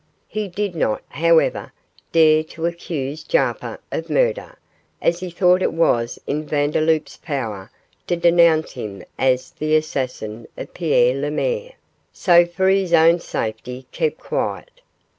He did not, however, dare to accuse Jarper of murder, as he thought it was in Vandeloup's power to denounce him as the assassin of Pierre Lemaire, so for his own safety kept quiet.